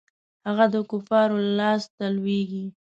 هغه د کفارو لاسته لویږي.